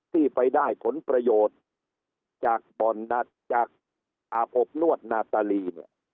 ที่ไปได้ผลประโยชน์จากบ่อนจากอาบอบนวดนาตาลีเนี่ย